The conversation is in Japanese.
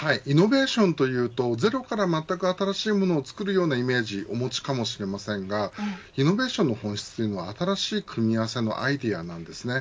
イノベーションというとゼロからまったく新しいものをつくるようなイメージをお持ちかもしれませんがイノベーションの本質というのは新しい組み合わせのアイデアなんです。